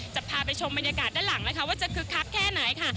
จะพาไปชมบรรยากาศด้านหลังนะคะว่าจะคึกคักแค่ไหนค่ะ